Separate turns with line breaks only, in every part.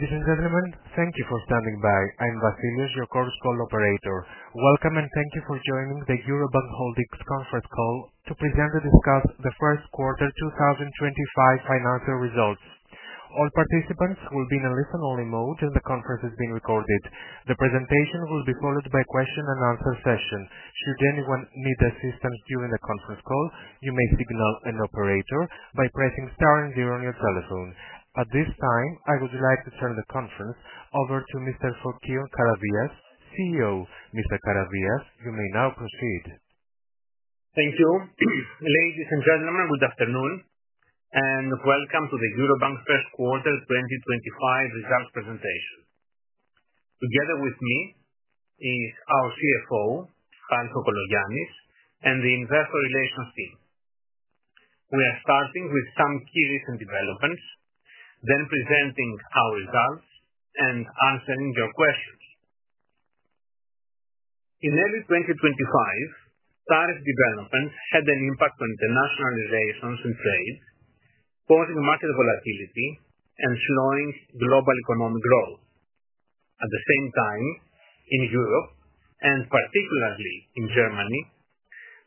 Ladies and gentlemen, thank you for standing by. I'm Vasilios, your call operator. Welcome and thank you for joining the Eurobank Holdings conference call to present and discuss the Q1 2025 financial results. All participants will be in a listen-only mode, and the conference is being recorded. The presentation will be followed by a question-and-answer session. Should anyone need assistance during the conference call, you may signal an operator by pressing star and zero on your telephone. At this time, I would like to turn the conference over to Mr. Fokion Karavias, CEO. Mr. Karavias, you may now proceed.
Thank you. Ladies and gentlemen, good afternoon and welcome to the Eurobank Q1 2025 results presentation. Together with me is our CFO, Harris Kokologiannis, and the investor relations team. We are starting with some key recent developments, then presenting our results and answering your questions. In early 2025, tariff developments had an impact on international relations and trade, causing market volatility and slowing global economic growth. At the same time, in Europe and particularly in Germany,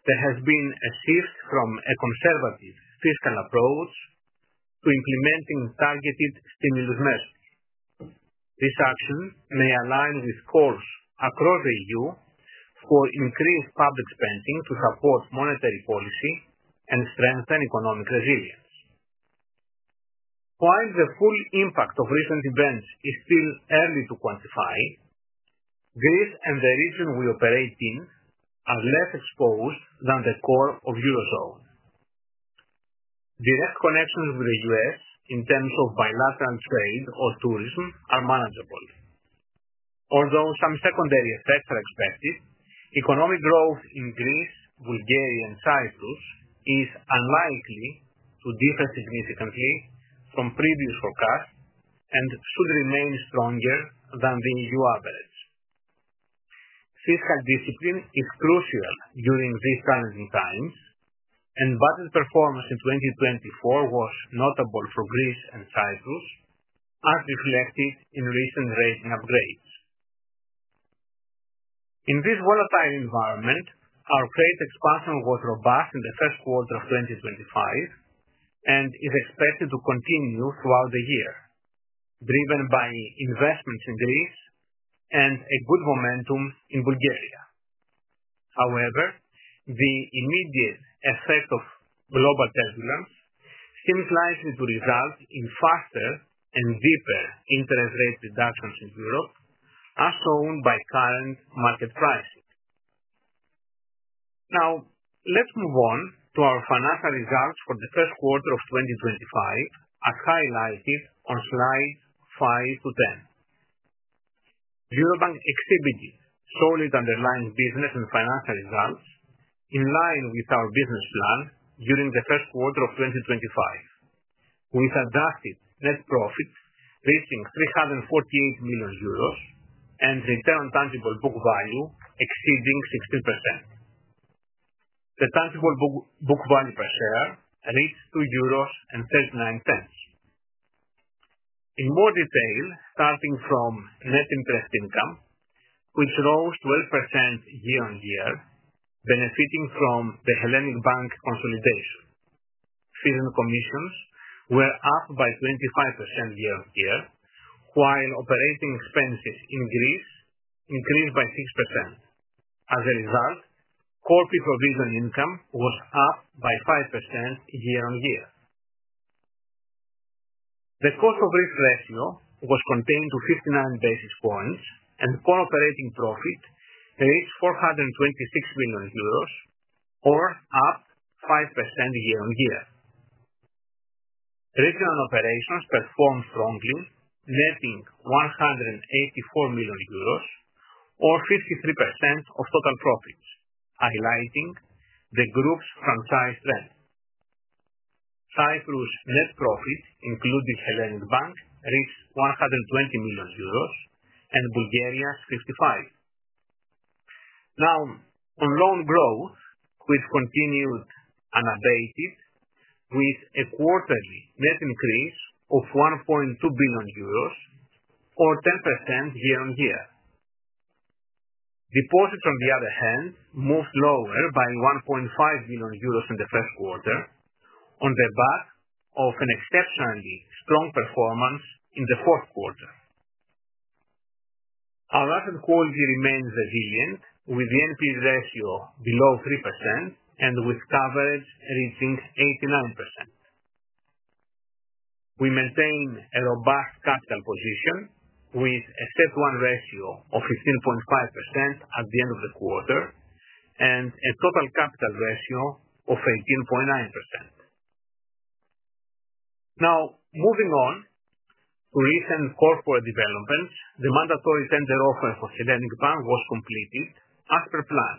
there has been a shift from a conservative fiscal approach to implementing targeted stimulus measures. This action may align with calls across the EU for increased public spending to support monetary policy and strengthen economic resilience. While the full impact of recent events is still early to quantify, Greece and the region we operate in are less exposed than the core of the Eurozone. Direct connections with the U.S. in terms of bilateral trade or tourism are manageable. Although some secondary effects are expected, economic growth in Greece, Bulgaria, and Cyprus is unlikely to differ significantly from previous forecasts and should remain stronger than the EU average. Fiscal discipline is crucial during these challenging times, and budget performance in 2024 was notable for Greece and Cyprus, as reflected in recent rating upgrades. In this volatile environment, our trade expansion was robust in the Q1 of 2025 and is expected to continue throughout the year, driven by investments in Greece and a good momentum in Bulgaria. However, the immediate effect of global turbulence seems likely to result in faster and deeper interest rate reductions in Europe, as shown by current market pricing. Now, let's move on to our financial results for the Q1 of 2025, as highlighted on slide 5 to 10. Eurobank exhibited solid underlying business and financial results in line with our business plan during the Q1 of 2025, with adjusted net profit reaching 348 million euros and return on tangible book value exceeding 16%. The tangible book value per share reached 2.39. In more detail, starting from net interest income, which rose 12% year-on-year, benefiting from the Hellenic Bank consolidation. Fees and commissions were up by 25% year-on-year, while operating expenses in Greece increased by 6%. As a result, pre-provision income was up by 5% year-on-year. The cost of risk ratio was contained to 59 basis points, and core operating profit reached 426 million euros, or up 5% year-on-year. Regional operations performed strongly, netting 184 million euros, or 53% of total profits, highlighting the group's franchise strength. Cyprus' net profit, including Hellenic Bank, reached 120 million euros and Bulgaria's 55. Now, on loan growth, which continued unabated, with a quarterly net increase of 1.2 billion euros, or 10% year-on-year. Deposits, on the other hand, moved lower by 1.5 billion euros in the Q1, on the back of an exceptionally strong performance in the Q4. Our asset quality remains resilient, with the NPE ratio below 3% and with coverage reaching 89%. We maintain a robust capital position, with a CET1 ratio of 15.5% at the end of the quarter and a total capital ratio of 18.9%. Now, moving on to recent corporate developments, the mandatory tender offer for Hellenic Bank was completed as per plan,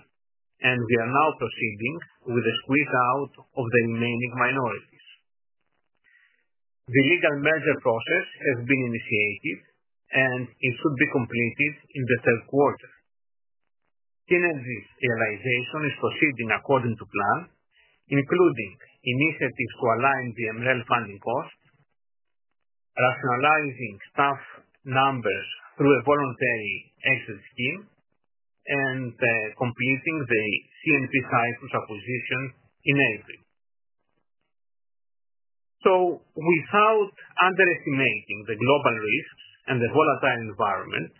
and we are now proceeding with the squeeze-out of the remaining minorities. The legal merger process has been initiated, and it should be completed in the Q3. Synergies realization is proceeding according to plan, including initiatives to align the MREL funding cost, rationalizing staff numbers through a voluntary exit scheme, and completing the CNP Cyprus acquisition in April. So, without underestimating the global risks and the volatile environment,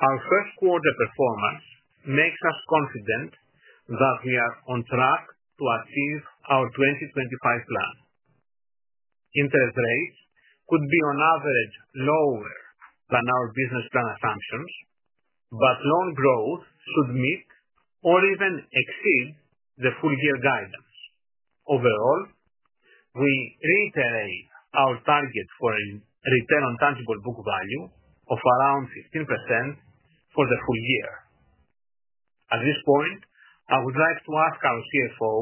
our Q1 performance makes us confident that we are on track to achieve our 2025 plan. Interest rates could be on average lower than our business plan assumptions, but loan growth should meet or even exceed the full-year guidance. Overall, we reiterate our target for a return on tangible book value of around 15% for the full year. At this point, I would like to ask our CFO,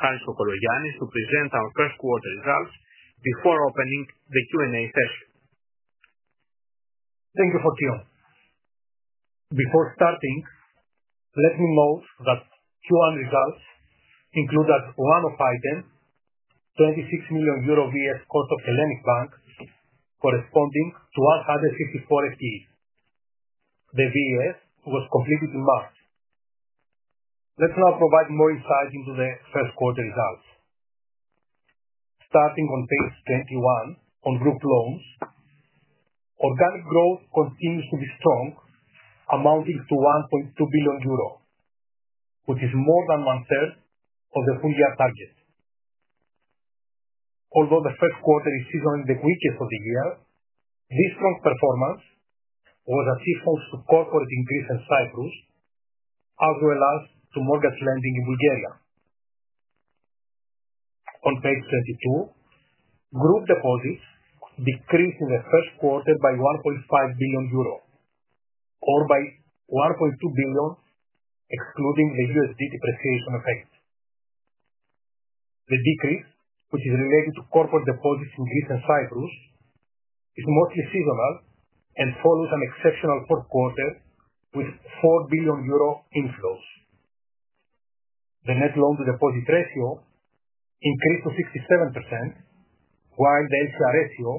Harris Kokologiannis, to present our Q1 results before opening the Q&A session.
Thank you, Fokion. Before starting, let me note that Q1 results include one-off items, 26 million euro VES cost of Hellenic Bank, corresponding to 154 FTE. The VES was completed in March. Let's now provide more insight into the Q1 results. Starting on page 21, on Group loans, organic growth continues to be strong, amounting to 1.2 billion euros, which is more than one-third of the full-year target. Although the Q1 is seen as the weakest of the year, this strong performance was due to corporate increase in Cyprus, as well as to mortgage lending in Bulgaria. On page 22, Group deposits decreased in the Q1 by 1.5 billion euro, or by 1.2 billion, excluding the USD depreciation effect. The decrease, which is related to corporate deposits in Greece and Cyprus, is mostly seasonal and follows an exceptional Q4 with 4 billion euro inflows. The net loan-to-deposit ratio increased to 67%, while the LCR ratio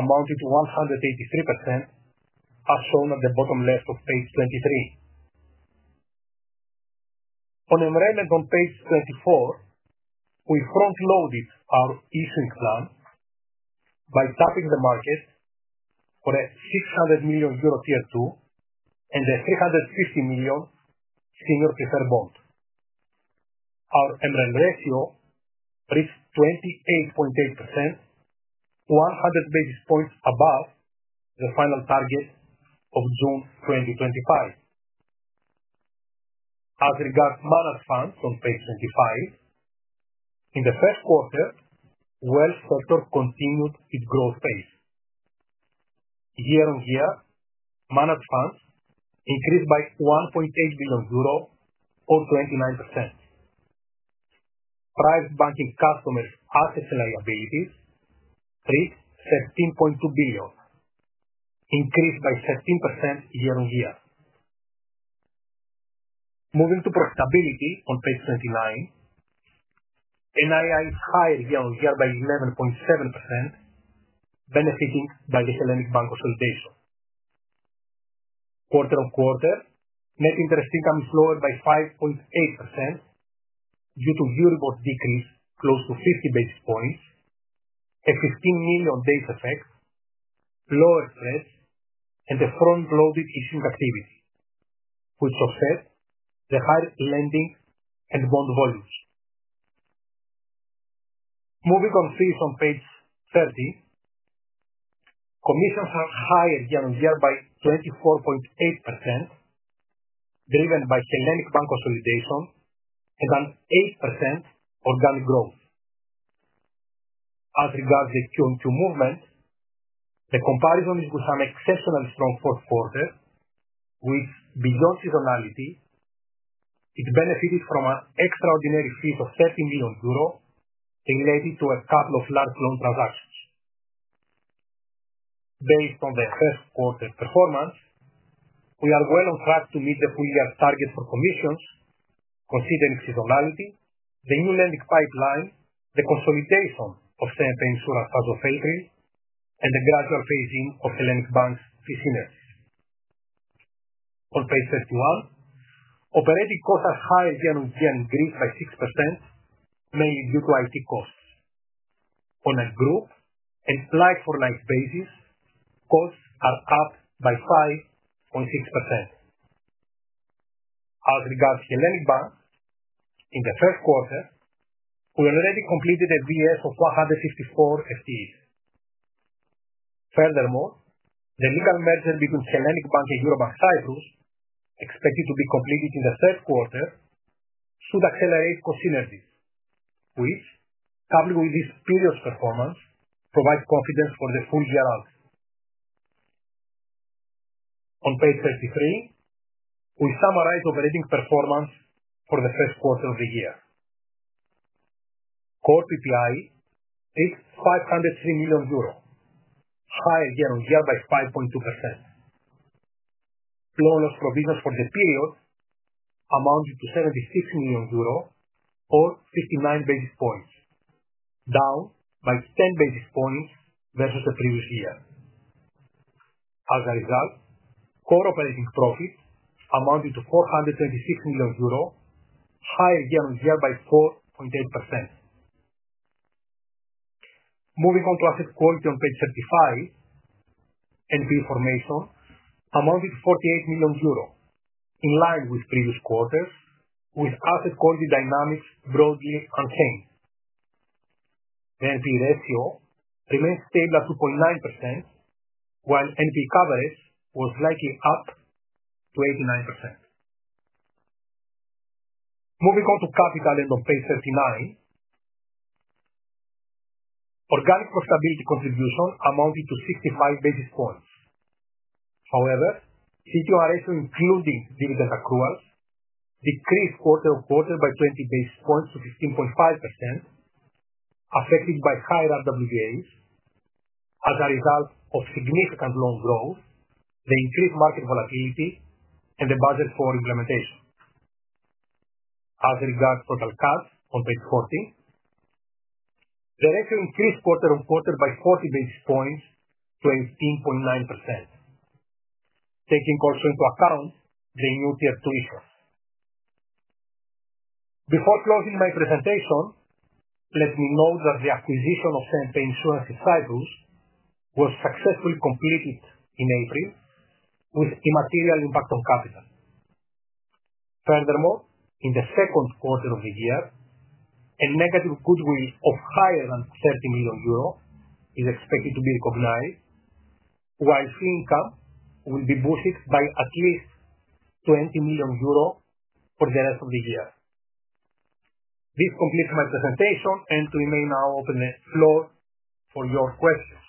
amounted to 183%, as shown at the bottom left of page 23. On MREL, on page 24, we front-loaded our issuing plan by tapping the market for a 600 million euro Tier 2 and a 350 million senior preferred bond. Our MREL ratio reached 28.8%, 100 basis points above the final target of June 2025. As regards managed funds on page 25, in the Q1, wealth sector continued its growth pace. year-on-year, managed funds increased by 1.8 billion euro, or 29%. Private banking customers' assets and liabilities reached EUR 13.2 billion, increased by 13% year-on-year. Moving to profitability on page 29, NII is higher year-on-year by 11.7%, benefiting by the Hellenic Bank consolidation. Quarter-on-quarter, net interest income is lower by 5.8% due to Euribor decrease close to 50 basis points, a 15 million base effect, lower spreads, and the front-loaded issuing activity, which offset the higher lending and bond volumes. Moving on fees on page 30, commissions are higher year-on-year by 24.8%, driven by Hellenic Bank consolidation and an 8% organic growth. As regards the QoQ movement, the comparison is with an exceptionally strong Q4, which, beyond seasonality, it benefited from an extraordinary fee of 30 million euro related to a couple of large loan transactions. Based on the Q1 performance, we are well on track to meet the full-year target for commissions, considering seasonality, the new lending pipeline, the consolidation of CNP Cyprus Insurance Holdings as of April, and the gradual phasing of Hellenic Bank's fee synergies. On page 31, operating costs are higher year-on-year in Greece by 6%, mainly due to IT costs. On a group and like-for-like basis, costs are up by 5.6%. As regards Hellenic Bank, in the Q1, we already completed a VES of 154 FTE. Furthermore, the legal merger between Hellenic Bank and Eurobank Cyprus, expected to be completed in the Q3, should accelerate cost synergies, which, coupled with this period's performance, provides confidence for the full-year outlook. On page 33, we summarize operating performance for the Q1 of the year. Core PPI reached 503 million euros, higher year-on-year by 5.2%. Loan-loss provisions for the period amounted to EUR 76 million, or 59 basis points, down by 10 basis points versus the previous year. As a result, core operating profit amounted to 426 million euro, higher year-on-year by 4.8%. Moving on to asset quality on page 35, NPE formation amounted to 48 million euro, in line with previous quarters, with asset quality dynamics broadly unchanged. The NPE ratio remained stable at 2.9%, while NPE coverage was likely up to 89%. Moving on to capital on page 39, organic profitability contribution amounted to 65 basis points. However, CET1 ratio, including dividend accruals, decreased quarter-on-quarter by 20 basis points to 15.5%, affected by higher RWAs as a result of significant loan growth, the increased market volatility, and the budget for implementation. As regards TCR on page 40, the ratio increased quarter-on-quarter by 40 basis points to 18.9%, taking also into account the new Tier 2 issuance. Before closing my presentation, let me note that the acquisition of CNP Cyprus Insurance Holdings in Cyprus was successfully completed in April, with immaterial impact on capital. Furthermore, in the Q2 of the year, a negative goodwill of higher than 30 million euros is expected to be recognized, while fee income will be boosted by at least 20 million euro for the rest of the year. This completes my presentation, and we may now open the floor for your questions.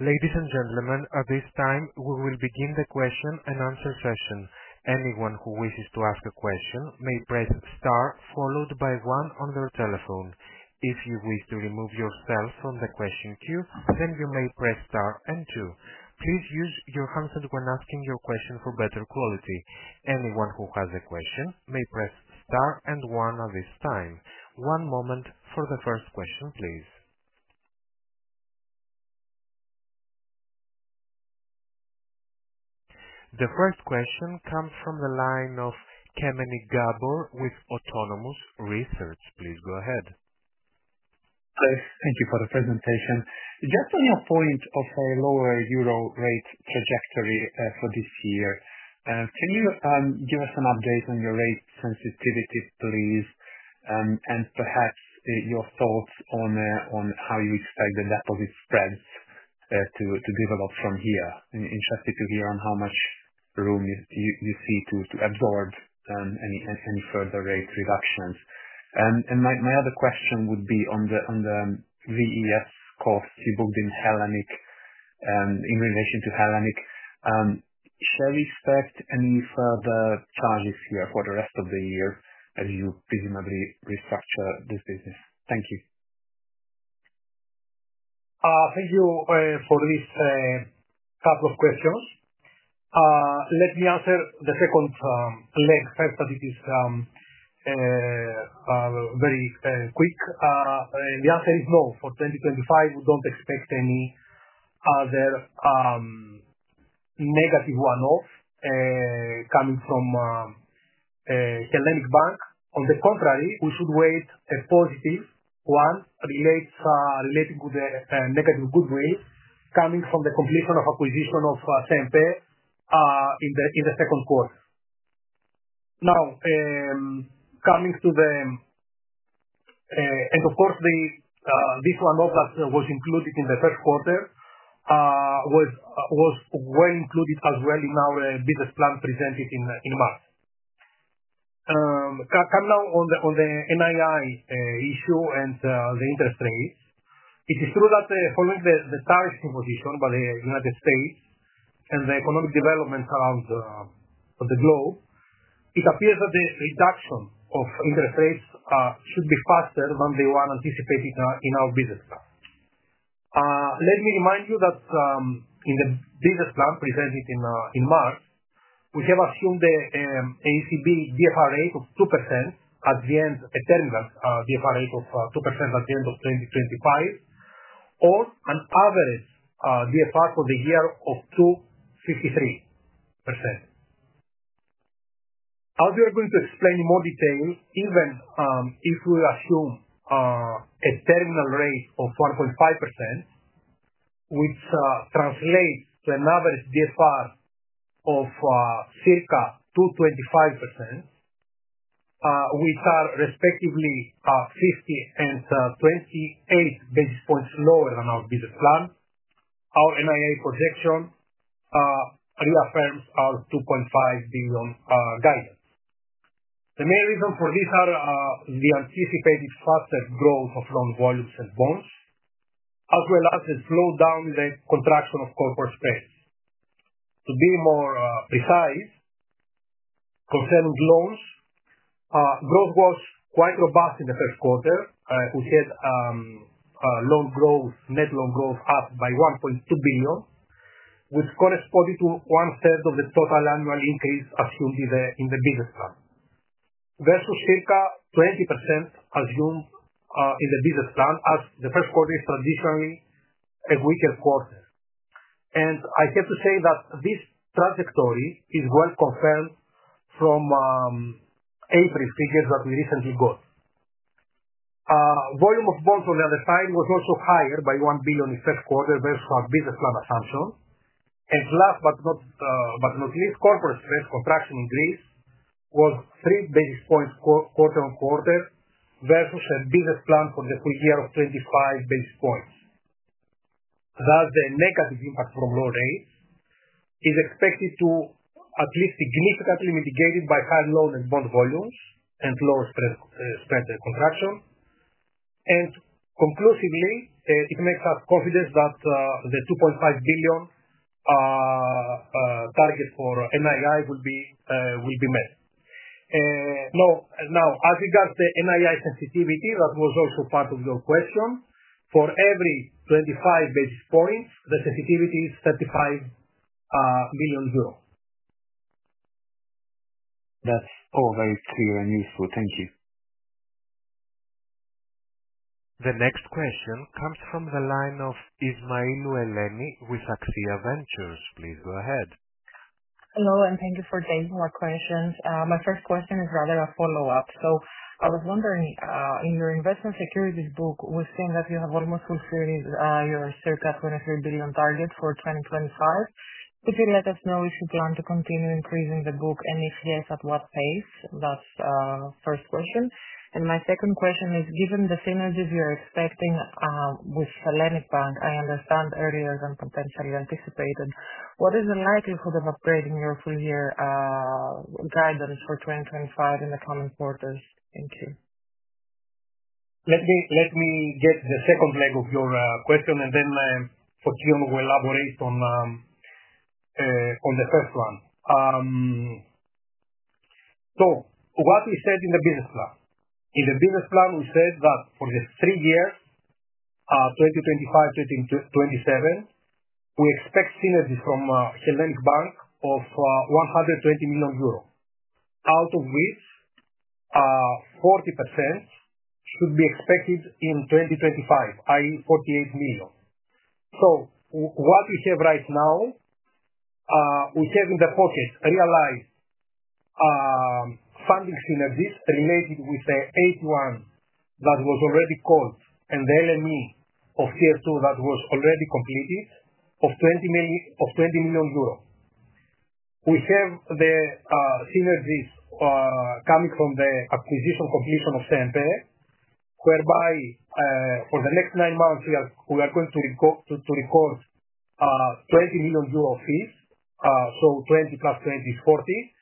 Ladies and gentlemen, at this time, we will begin the question and answer session. Anyone who wishes to ask a question may press star, followed by one on their telephone. If you wish to remove yourself from the question queue, then you may press star and two. Please use your handset when asking your question for better quality. Anyone who has a question may press star and one at this time. One moment for the first question, please. The first question comes from the line of Kemeny Gabor with Autonomous Research. Please go ahead.
Hello. Thank you for the presentation. Just on your point of a lower euro rate trajectory for this year, can you give us an update on your rate sensitivity, please, and perhaps your thoughts on how you expect the deposit spreads to develop from here? I'm interested to hear on how much room you see to absorb any further rate reductions. And my other question would be on the VES costs you booked in Hellenic in relation to Hellenic. Shall we expect any further charges here for the rest of the year as you presumably restructure this business? Thank you.
Thank you for this couple of questions. Let me answer the second leg first, but it is very quick. The answer is no. For 2025, we don't expect any other negative one-off coming from Hellenic Bank. On the contrary, we should wait a positive one relating to the negative goodwill coming from the completion of acquisition of CNP in the Q2. Now, coming to the end, of course, this one-off that was included in the Q1 was well included as well in our business plan presented in March. Coming now on the NII issue and the interest rates, it is true that following the tariff imposition by the United States and the economic developments around the globe, it appears that the reduction of interest rates should be faster than the one anticipated in our business plan. Let me remind you that in the business plan presented in March, we have assumed the ECB DFR rate of 2% at the end, a terminal DFR rate of 2% at the end of 2025, or an average DFR for the year of 2.53%. As we are going to explain in more detail, even if we assume a terminal rate of 1.5%, which translates to an average DFR of circa 2.25%, which are respectively 50 and 28 basis points lower than our business plan, our NII projection reaffirms our 2.5 billion guidance. The main reason for this is the anticipated faster growth of loan volumes and bonds, as well as a slowdown in the contraction of corporate spreads. To be more precise, concerning loans, growth was quite robust in the Q1. We had loan growth, net loan growth up by 1.2 billion, which corresponded to one-third of the total annual increase assumed in the business plan, versus circa 20% assumed in the business plan, as the Q1 is traditionally a weaker quarter. And I have to say that this trajectory is well confirmed from April figures that we recently got. Volume of bonds, on the other side, was also higher by 1 billion in the Q1 versus our business plan assumption. And last but not least, corporate spreads contraction in Greece was 3 basis points quarter-on-quarter versus a business plan for the full year of 25 basis points. Thus, the negative impact from low rates is expected to be at least significantly mitigated by higher loan and bond volumes and lower spread contraction. Conclusively, it makes us confident that the 2.5 billion target for NII will be met. Now, as regards the NII sensitivity, that was also part of your question. For every 25 basis points, the sensitivity is EUR 35 million.
That's all very clear and useful. Thank you. The next question comes from the line of Eleni Ismailou with Axia Ventures. Please go ahead.
Hello, and thank you for taking our questions. My first question is rather a follow-up. So I was wondering, in your investment securities book, we've seen that you have almost fulfilled your circa 23 billion target for 2025. Could you let us know if you plan to continue increasing the book and if yes, at what pace? That's the first question. And my second question is, given the synergies you're expecting with Hellenic Bank, I understand earlier than potentially anticipated, what is the likelihood of upgrading your full-year guidance for 2025 in the coming quarters? Thank you.
Let me get the second leg of your question, and then Fokion will elaborate on the first one. So what we said in the business plan, in the business plan, we said that for the three years, 2025-2027, we expect synergies from Hellenic Bank of 120 million euro, out of which 40% should be expected in 2025, i.e., 48 million. So what we have right now, we have in the pocket realized funding synergies related with the AT1 that was already called and the MREL of Tier 2 that was already completed of 20 million euros. We have the synergies coming from the acquisition completion of CNP, whereby for the next nine months, we are going to record 20 million euro fees. So 20 + 20 is 40.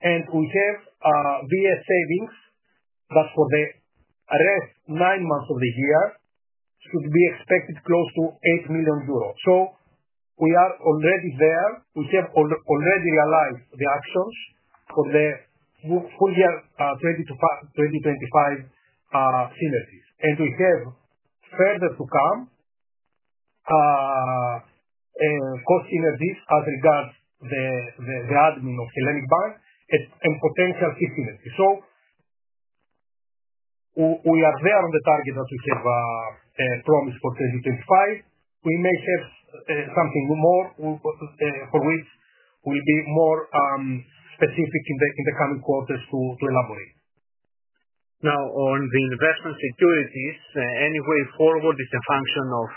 And we have VES savings that for the rest nine months of the year should be expected close to 8 million. We are already there. We have already realized the actions for the full-year 2025 synergies. We have further to come cost synergies as regards the admin of Hellenic Bank and potential fee synergies. We are there on the target that we have promised for 2025. We may have something more for which we'll be more specific in the coming quarters to elaborate.
Now, on the investment securities, any way forward is a function of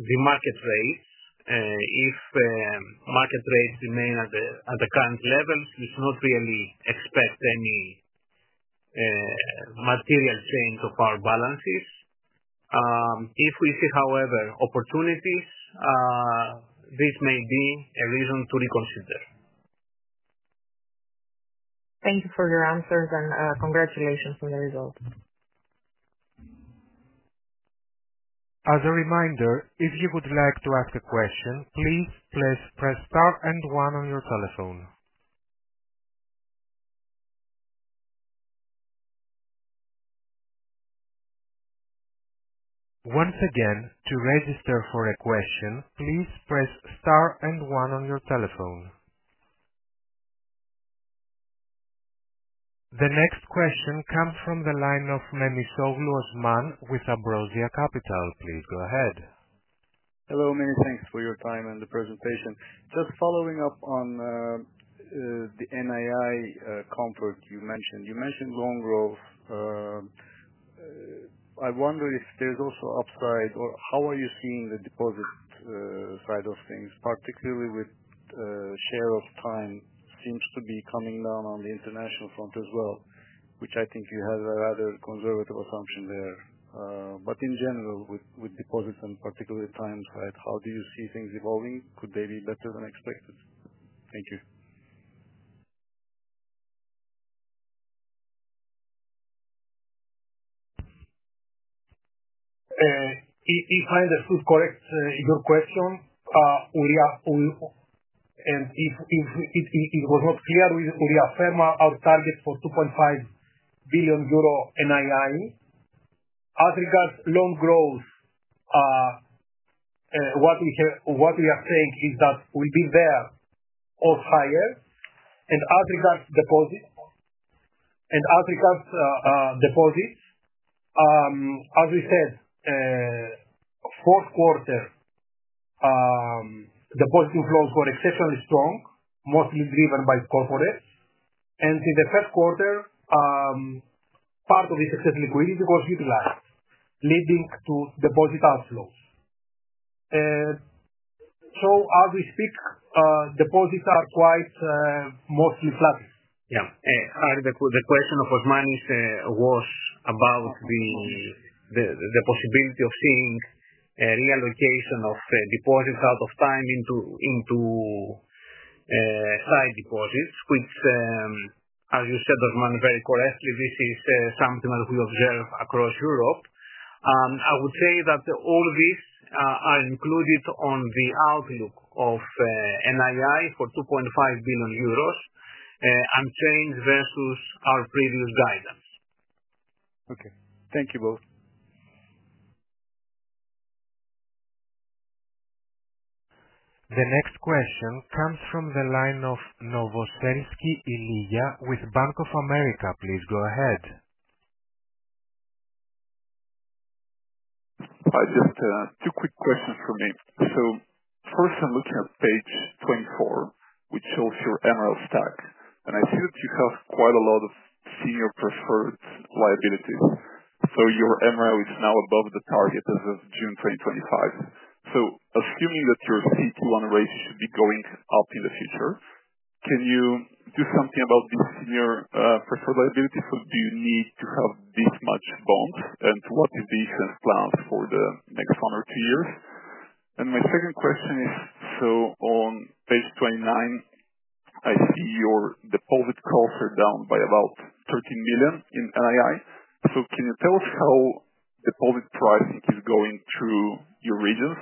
the market rates. If market rates remain at the current levels, we should not really expect any material change of our balances. If we see, however, opportunities, this may be a reason to reconsider.
Thank you for your answers and congratulations on the results.
As a reminder, if you would like to ask a question, please press star and one on your telephone. Once again, to register for a question, please press star and one on your telephone. The next question comes from the line of Osman Memisoglu with Ambrosia Capital. Please go ahead.
Hello, many thanks for your time and the presentation. Just following up on the NII comfort you mentioned. You mentioned loan growth. I wonder if there's also upside or how are you seeing the deposit side of things, particularly with share of time seems to be coming down on the international front as well, which I think you have a rather conservative assumption there. But in general, with deposits and particularly time, how do you see things evolving? Could they be better than expected? Thank you.
If I understood correct your question, and if it was not clear, we reaffirm our target for 2.5 billion euro NII. As regards loan growth, what we are saying is that we'll be there or higher. And as regards deposits, as we said, Q4, depositing flows were exceptionally strong, mostly driven by corporates. And in the Q1, part of this excess liquidity was utilized, leading to deposit outflows. So as we speak, deposits are quite mostly flat.
Yeah. The question of Osman's was about the possibility of seeing a reallocation of deposits out of time into sight deposits, which, as you said, Osman, very correctly, this is something that we observe across Europe. I would say that all these are included in the outlook of NII for 2.5 billion euros unchanged versus our previous guidance.
Okay. Thank you both.
The next question comes from the line of Ilya Novosselsky with Bank of America. Please go ahead.
Hi, just two quick questions from me. So first, I'm looking at page 24, which shows your MREL stack. And I see that you have quite a lot of senior preferred liabilities. So your MREL is now above the target as of June 2025. So assuming that your CET1 rates should be going up in the future, can you do something about these senior preferred liabilities? So do you need to have this much bonds? And what is the issuance plan for the next one or two years? And my second question is, so on page 29, I see your deposit costs are down by about 13 million in NII. So can you tell us how deposit pricing is going through your regions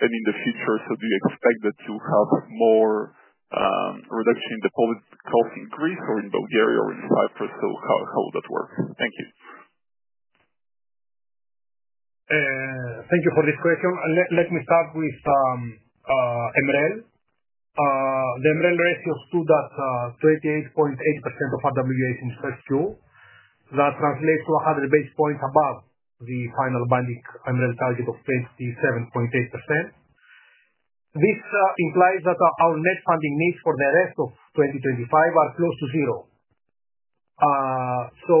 and in the future? So do you expect that you'll have more reduction in deposit cost increase or in Bulgaria or in Cyprus? So how would that work? Thank you.
Thank you for this question. Let me start with MREL. The MREL ratio stood at 28.8% of RWAs in the first Q. That translates to 100 basis points above the final binding MREL target of 27.8%. This implies that our net funding needs for the rest of 2025 are close to zero. So,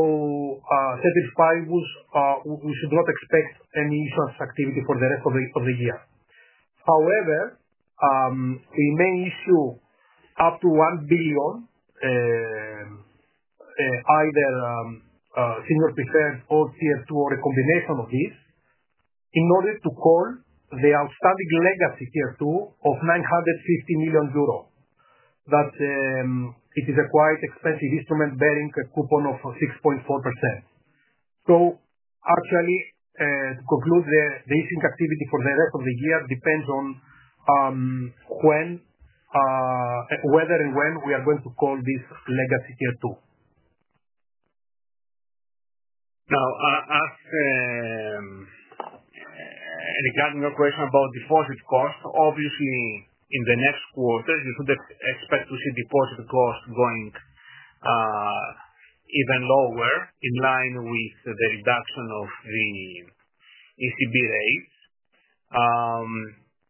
as set by us, we should not expect any issuance activity for the rest of the year. However, we may issue up to EUR 1 billion, either senior preferred or Tier 2 or a combination of these, in order to call the outstanding legacy Tier 2 of 950 million euro. That is a quite expensive instrument bearing a coupon of 6.4%. So actually, to conclude, the issuing activity for the rest of the year depends on whether and when we are going to call this legacy Tier 2. Now, regarding your question about deposit cost, obviously, in the next quarter, you should expect to see deposit costs going even lower in line with the reduction of the ECB rates.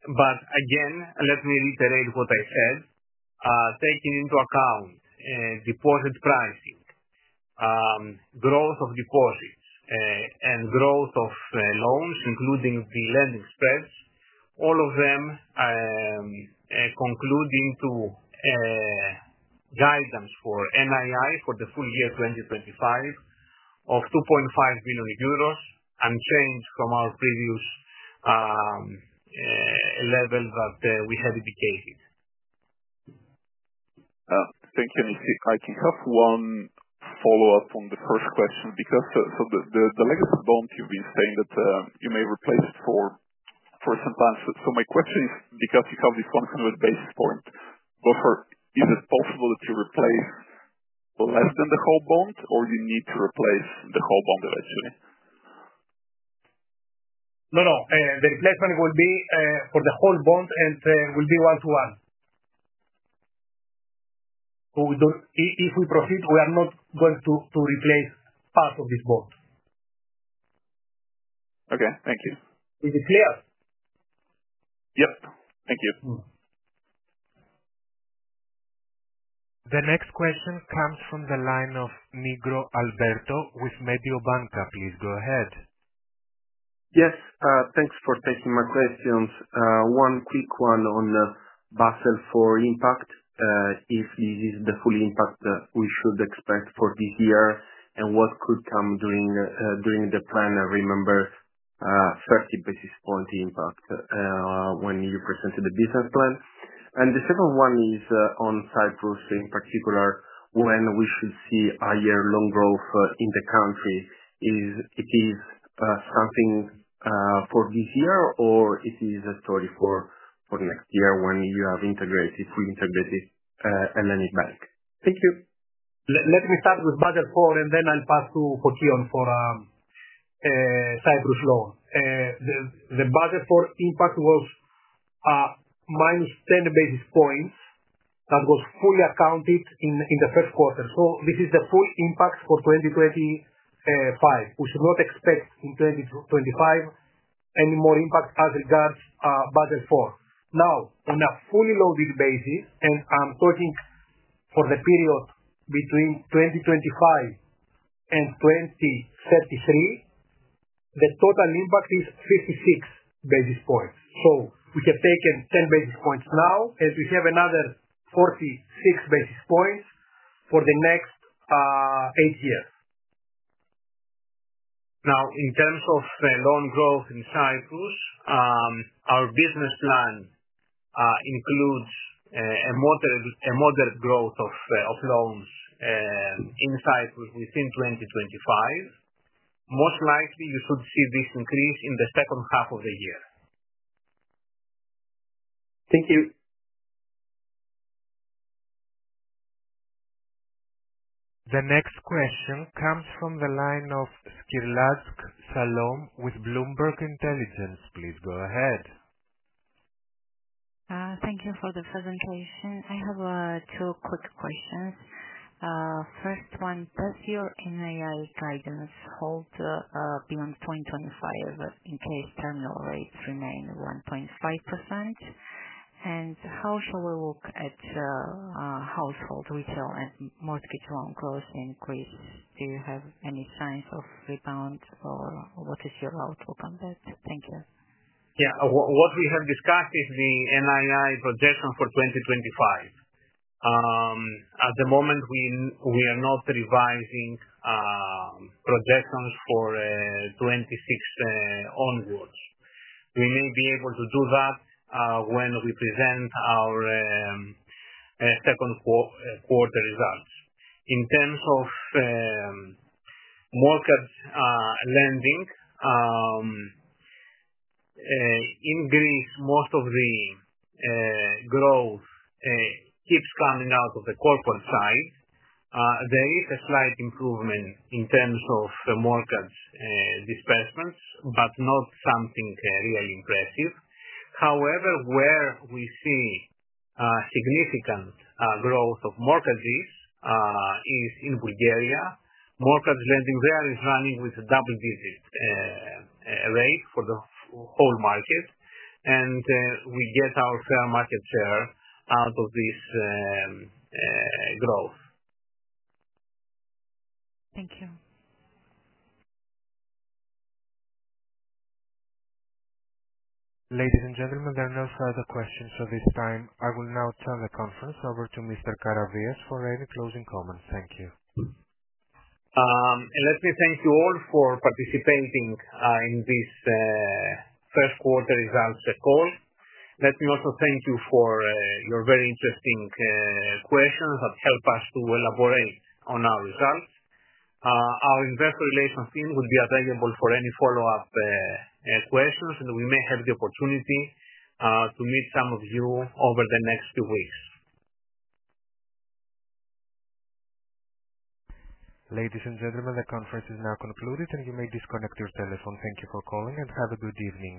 But again, let me reiterate what I said. Taking into account deposit pricing, growth of deposits, and growth of loans, including the lending spreads, all of them conclude into guidance for NII for the full year 2025 of 2.5 billion euros unchanged from our previous level that we had indicated.
Thank you. I think I have one follow-up on the first question because the legacy bond, you've been saying that you may replace it for some time. So my question is, because you have this 100 basis points buffer, is it possible that you replace less than the whole bond, or you need to replace the whole bond eventually?
No, no. The replacement will be for the whole bond, and it will be one-to-one. If we proceed, we are not going to replace part of this bond.
Okay. Thank you.
Is it clear?
Yep. Thank you.
The next question comes from the line of Alberto Nagel with Mediobanca. Please go ahead.
Yes. Thanks for taking my questions. One quick one on Basel IV impact. If this is the full impact that we should expect for this year and what could come during the plan, I remember 30 basis point impact when you presented the business plan. And the second one is on Cyprus, in particular, when we should see higher loan growth in the country. Is it something for this year, or is it a story for next year when you have integrated, fully integrated Hellenic Bank? Thank you.
Let me start with Basel IV, and then I'll pass to Fokion for Cyprus loan. The Basel IV impact was -10 basis points that was fully accounted in the Q1. So this is the full impact for 2025. We should not expect in 2025 any more impact as regards Basel IV. Now, on a fully loaded basis, and I'm talking for the period between 2025 and 2033, the total impact is 56 basis points. So we have taken 10 basis points now, and we have another 46 basis points for the next eight years.
Now, in terms of loan growth in Cyprus, our business plan includes a moderate growth of loans in Cyprus within 2025. Most likely, you should see this increase in the second half of the year.
Thank you.
The next question comes from the line of Salome Skhirtladze with Bloomberg Intelligence. Please go ahead.
Thank you for the presentation. I have two quick questions. First one, does your NII guidance hold beyond 2025 in case terminal rates remain 1.5%?, and how shall we look at household retail and mortgage loan growth increase? Do you have any signs of rebound, or what is your outlook on that? Thank you.
Yeah. What we have discussed is the NII projection for 2025. At the moment, we are not revising projections for 2026 onwards. We may be able to do that when we present our Q2 results. In terms of mortgage lending, in Greece, most of the growth keeps coming out of the corporate side. There is a slight improvement in terms of mortgage disbursements, but not something really impressive. However, where we see significant growth of mortgages is in Bulgaria. Mortgage lending there is running with a double-digit rate for the whole market, and we get our fair market share out of this growth.
Thank you.
Ladies and gentlemen, there are no further questions at this time. I will now turn the conference over to Mr. Karavias for any closing comments. Thank you.
Let me thank you all for participating in this Q1 results call. Let me also thank you for your very interesting questions that help us to elaborate on our results. Our investor relations team will be available for any follow-up questions, and we may have the opportunity to meet some of you over the next few weeks.
Ladies and gentlemen, the conference is now concluded, and you may disconnect your telephone. Thank you for calling, and have a good evening.